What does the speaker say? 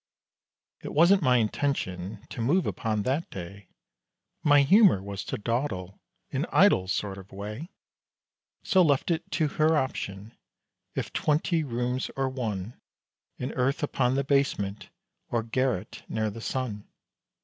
It wasn't my intention, to move upon that day, My humor was to dawdle, in idle sort of way, So left it to her option, if twenty rooms or one, In earth upon the basement, or garret near the sun.